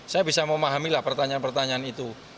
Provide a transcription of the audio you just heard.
saya bisa memahami lah pertanyaan pertanyaan itu